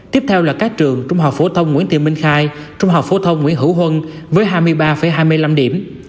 tiếp theo là các trường trung học phổ thông nguyễn tị minh khai trung học phổ thông nguyễn hữu huân với hai mươi ba hai mươi năm điểm